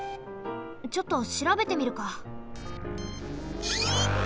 ちょっとしらべてみるか。